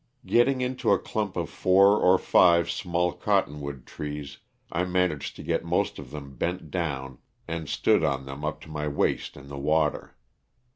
Getting into a clump of four or five small cottonwood trees I managed to get most of them bent down and stood on them up to my waist in the water.